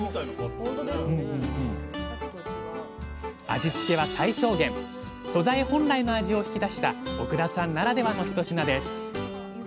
味付けは最小限素材本来の味を引き出した奥田さんならではの一品です